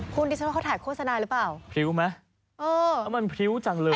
คุณดิฉันว่าเขาถ่ายโฆษณาหรือเปล่าพริ้วไหมเออแล้วมันพริ้วจังเลย